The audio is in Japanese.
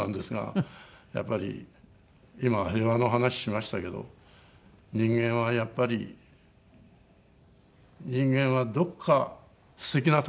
やっぱり今平和の話しましたけど人間はやっぱり人間はどこか素敵なところがあるんだと。